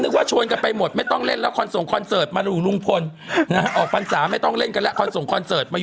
ลุงพลด้วยลุงพลด้วยลุงพลด้วยลุงพลด้วยลุงพลด้วยลุงพลด้วยลุงพลด้วย